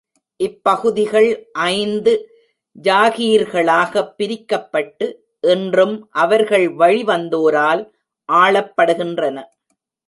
இப் பகுதிகள் ஐந்து ஜாகீர்களாகப் பிரிக்கப்பட்டு, இன்றும் அவர்கள் வழி வந்தோரால் ஆளப்படுகின்றன.